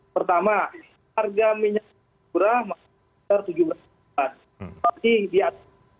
pertama harga minyak segera masih di atas